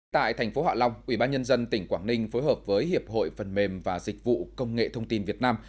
tại thành phố hạ long ubnd tỉnh quảng ninh phối hợp với hiệp hội phần mềm và dịch vụ công nghệ thông tin việt nam